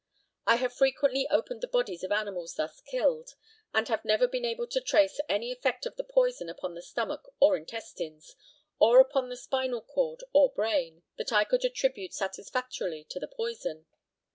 I have frequently opened the bodies of animals thus killed, and have never been able to trace any effect of the poison upon the stomach or intestines, or upon the spinal cord or brain, that I could attribute satisfactorily to the poison.